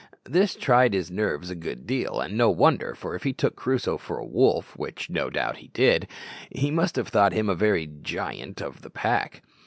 This tried his nerves a good deal, and no wonder, for if he took Crusoe for a wolf, which no doubt he did, he must have thought him a very giant of the pack.